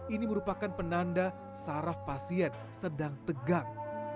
ini merupakan penanda saraf pasien sedang tegang